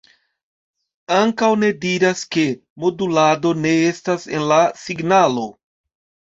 Ankaŭ ne diras, ke modulado ne estas en la signalo.